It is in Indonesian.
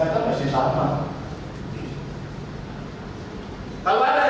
kalau ada yang bersikap mendukung keelapan